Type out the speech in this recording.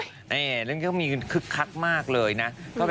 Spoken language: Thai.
แล้วเนี้ยเขามีขึ๊กคักมากเลยนะ